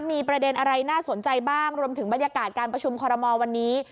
มีประเด็นอะไรน่าสนใจบ้างรวมถึงบรรยากาศการประชุมคอรมอลวันนี้